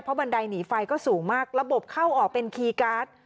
บันไดหนีไฟก็สูงมากระบบเข้าออกเป็นคีย์การ์ด